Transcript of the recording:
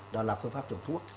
đó là phương pháp trùng thuốc